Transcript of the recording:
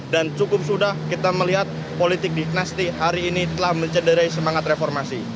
dan cukup sudah kita melihat politik diknasti hari ini telah mencederai semangat reformasi